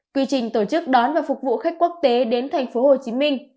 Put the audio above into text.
quy trình tổ chức đón và phục vụ khách quốc tế đến tp hcm